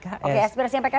oke aspirasinya pks apa